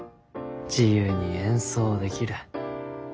自由に演奏できる。